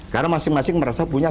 karena masing masing merasa punya